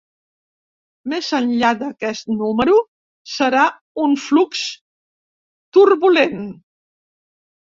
Més enllà d'aquest número, serà un flux turbulent.